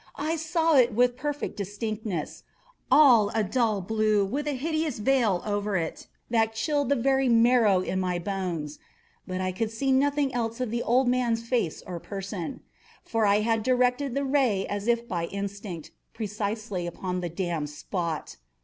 I saw it with perfect distinctness—all a dull blue, with a hideous veil over it that chilled the very marrow in my bones; but I could see nothing else of the old man's face or person: for I had directed the ray as if by instinct, precisely upon the damned spot.